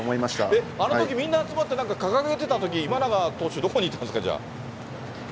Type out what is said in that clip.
えっ、あのときみんな集まって、なんか掲げてたとき、今永投手、どこにいたんですか、じゃあ。